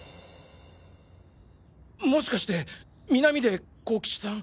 もしかして南出公吉さん？